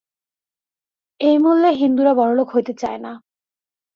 এই মূল্যে হিন্দুরা বড়লোক হইতে চায় না।